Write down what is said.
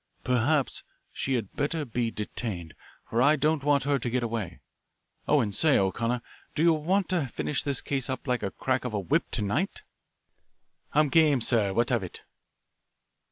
Perhaps she had better be detained, for I don't want her to get away. Oh, and say, O'Connor, do you want to finish this case up like the crack of a whip to night?" "I'm game, sir. What of it?"